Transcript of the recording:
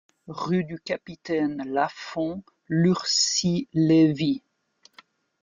Rue du Capitaine Lafond, Lurcy-Lévis